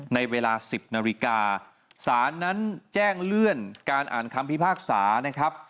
ในเวลา๑๐นาฬิกาสารนั้นแจ้งเลื่อนการอ่านคำพิพากษานะครับ